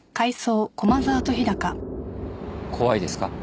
怖いですか？